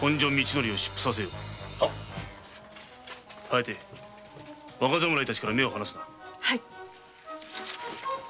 疾風若侍たちから目を離すな！